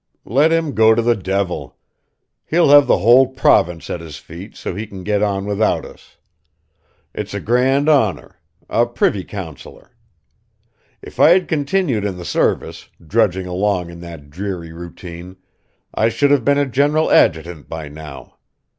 Let him go to the devil! He'll have the whole province at his feet, so he can get on without us. It's a grand honor a privy councilor! If I had continued in the service, drudging along in that dreary routine, I should have been a general adjutant by now.